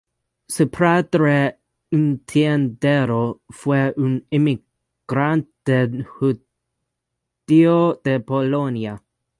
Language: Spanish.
Su padre, un tendero, fue un inmigrante judío de Polonia.